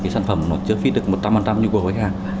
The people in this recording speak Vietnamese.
sản phẩm nó chưa fit được một trăm linh nhu cầu của khách hàng